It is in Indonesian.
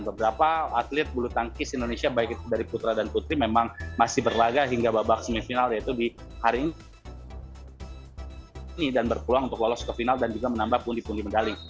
beberapa atlet bulu tangkis indonesia baik dari putra dan putri memang masih berlaga hingga babak semifinal yaitu di hari ini dan berpeluang untuk lolos ke final dan juga menambah pundi pundi medali